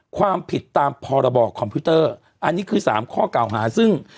ความผิดตามพรบคอมพิวเตอร์อันนี้คือ๓ข้อเก่าหาซึ่ง